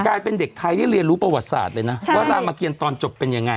กลายเป็นเด็กไทยได้เรียนรู้ประวัติศาสตร์เลยนะว่ารามเกียรตอนจบเป็นยังไง